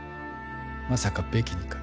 まさかベキにか？